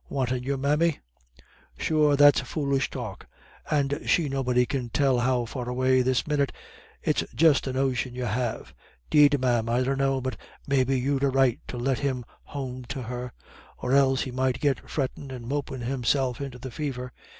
Wantin' your mammy? Sure that's foolish talk, and she nobody can tell how far away this minyit. It's just a notion you have.... 'Deed, ma'am, I dunno, but maybe you'd a right to let him home to her, or else he might get frettin' and mopin' himself into the fever.